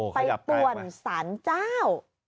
ไปป่วนสารเจ้า